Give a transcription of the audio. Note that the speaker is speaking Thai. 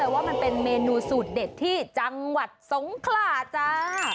ว่าเป็นเมนูสูตรเด็ดที่จังหวัดสงขระจ้า